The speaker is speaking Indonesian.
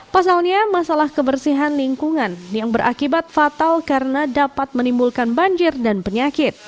pasalnya masalah kebersihan lingkungan yang berakibat fatal karena dapat menimbulkan banjir dan penyakit